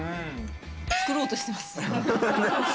作ろうとしてます？